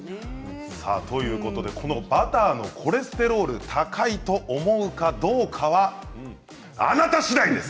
バターのコレステロールが高いと思うかどうかはあなたしだいです！